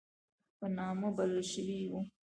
په نامه بلل شوی وو.